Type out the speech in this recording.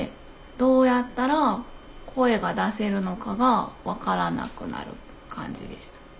どうやったら声が出せるのかが分からなくなる感じでした。